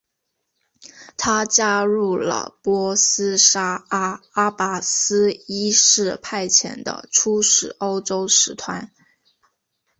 他加入了波斯沙阿阿拔斯一世派遣的出使欧洲使团。